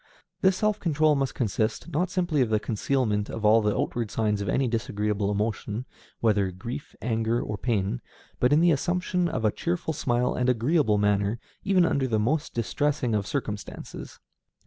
This self control must consist, not simply in the concealment of all the outward signs of any disagreeable emotion, whether of grief, anger, or pain, but in the assumption of a cheerful smile and agreeable manner under even the most distressing of circumstances.